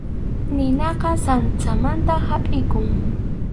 Ninaqa sansamanta hapʼikun.